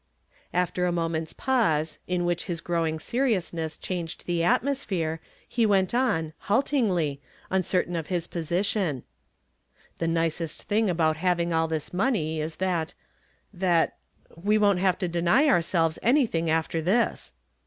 After a moment's pause, in which his growing seriousness changed the atmosphere, he went on, haltingly, uncertain of his position: "The nicest thing about having all this money is that that we won't have to deny ourselves anything after this."